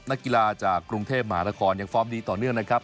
นักกีฬาจากกรุงเทพมหานครยังฟอร์มดีต่อเนื่องนะครับ